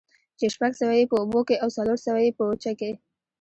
چې شپږ سوه ئې په اوبو كي او څلور سوه ئې په وچه كي